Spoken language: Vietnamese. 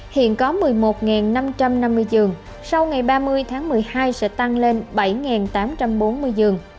hiện có một mươi một năm trăm năm mươi giường sau ngày ba mươi tháng một mươi hai sẽ tăng lên bảy tám trăm bốn mươi giường